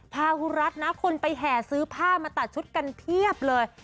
ฮูรัฐนะคนไปแห่ซื้อผ้ามาตัดชุดกันเพียบเลย